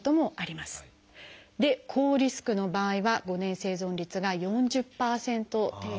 高リスクの場合は５年生存率が４０％程度。